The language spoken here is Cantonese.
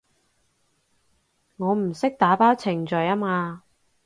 我唔識打包程序吖嘛